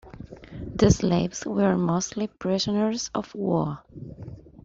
The slaves were mostly prisoners of war.